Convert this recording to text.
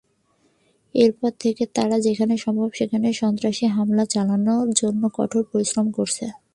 এরপর থেকে তারা যেখানে সম্ভব সেখানেই সন্ত্রাসী হামলা চালানোর জন্য কঠোর পরিশ্রম করছে।